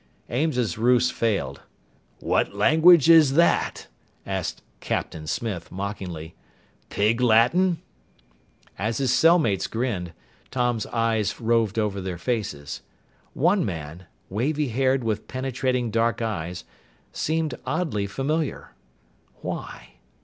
Ames's ruse failed. "What language is that?" asked "Captain Smith" mockingly. "Pig Latin?" As his cellmates grinned, Tom's eyes roved over their faces. One man wavy haired with penetrating dark eyes seemed oddly familiar. Why?